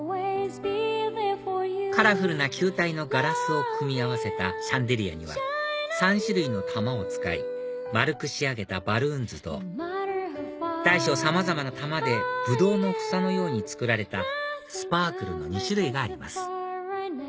カラフルな球体のガラスを組み合わせたシャンデリアには３種類の玉を使い丸く仕上げたＢａｌｌｏｏｎｓと大小さまざまな玉でブドウの房のように作られたＳｐａｒｋｌｅの２種類があります